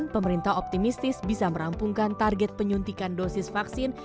pemerintah optimistis bisa merampungkan target penyuntikan dosis vaksin